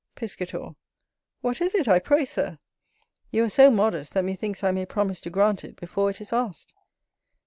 Piscator. What is it, I pray, Sir? You are so modest, that methinks I may promise to grant it before it is asked.